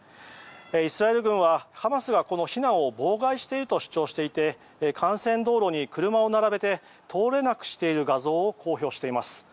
イスラエル軍はハマスが避難を妨害していると主張していて幹線道路に車を並べて通れなくしている画像を公表しています。